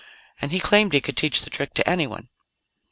And he claimed he could teach the trick to anyone.